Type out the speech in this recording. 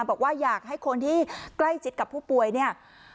บอกว่าอยากให้คนที่ใกล้ชิดกับผู้ป่วยเนี่ย